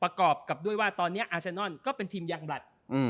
ประกอบกับด้วยว่าตอนนี้อาเซนอนก็เป็นทีมยังบลัด